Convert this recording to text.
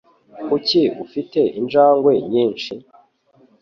Kuki ufite injangwe nyinshi?